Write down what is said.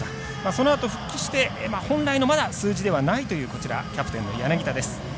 そのあと復帰して本来の数字ではないというキャプテンの柳田です。